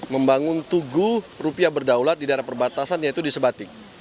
membangun tugu rupiah berdaulat di daerah perbatasan yaitu di sebatik